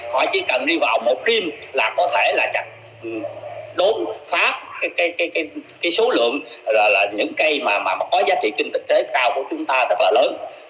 họ chỉ cần đi vào một g là có thể là chặt đốt phá cái số lượng là những cây mà có giá trị kinh tế cao của chúng ta rất là lớn